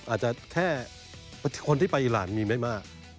อาจจะแค่คนที่ไปอีรานมีไม่มาก